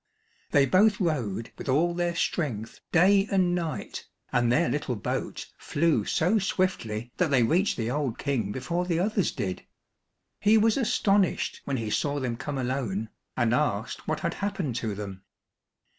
They both rowed with all their strength day and night, and their little boat flew so swiftly that they reached the old King before the others did. He was astonished when he saw them come alone, and asked what had happened to them.